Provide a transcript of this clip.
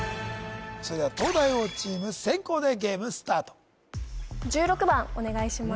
それでは東大王チーム先攻でゲームスタート１６番お願いします